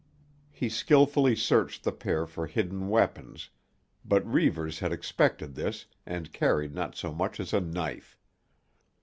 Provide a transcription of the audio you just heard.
He skilfully searched the pair for hidden weapons, but Reivers had expected this and carried not so much as a knife.